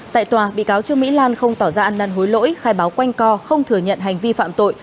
tại tòa bị cáo trương mỹ lan không tỏ ra ăn năn hối lỗi khai báo quanh co không thừa nhận hành vi phạm tội